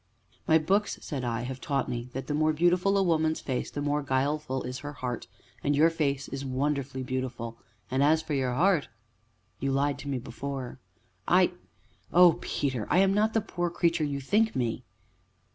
"My books," said I, "have taught me that the more beautiful a woman's face the more guileful is her heart; and your face is wonderfully beautiful, and, as for your heart you lied to me before." "I oh, Peter! I am not the poor creature you think me."